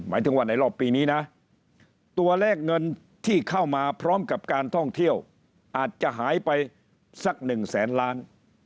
ถึงว่าในรอบปีนี้นะตัวเลขเงินที่เข้ามาพร้อมกับการท่องเที่ยวอาจจะหายไปสักหนึ่งแสนล้าน